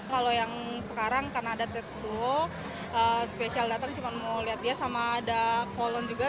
kalau yang sekarang karena ada titsuo spesial datang cuma mau lihat dia sama ada volun juga